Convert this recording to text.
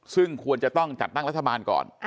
ซึ่งควรจะต้องจัดตั้งรัฐบาลก่อน